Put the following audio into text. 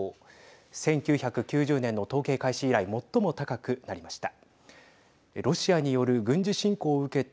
１９９０年の統計開始以来最も高くなりました。